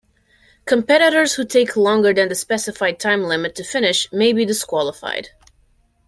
Competitors who take longer than the specified time limit to finish may be disqualified.